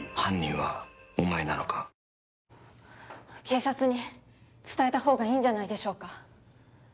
警察に伝えたほうがいいんじゃないでしょうか？